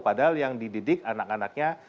padahal yang dididik anak anaknya